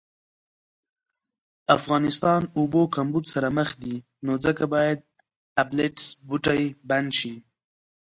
افغانستان اوبو کمبود سره مخ دي نو ځکه باید ابلیټس بوټی بند شي